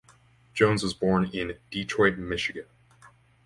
Jones was born in Detroit, Michigan.